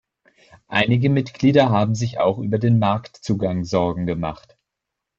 Einige Mitglieder haben sich auch über den Marktzugang Sorgen gemacht.